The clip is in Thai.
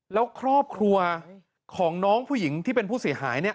แล้วครอบครัวของน้องผู้หญิงที่เป็นผู้เสียหาย